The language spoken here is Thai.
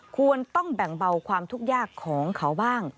ควรต้องแบ่งเบาความทุกข์ยากของเขาบ้าง